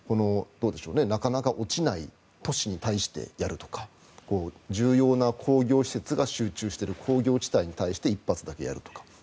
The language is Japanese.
なかなか落ちない都市に対してやるとか、重要な工業施設が集中している工業地帯に対して１発やるとか。